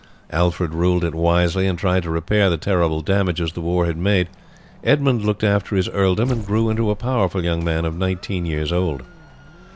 Alfred ruled it wisely, and tried to repair the terrible damages the war had made. Edmund looked after his earldom, and grew into a powerful young man of nineteen years old.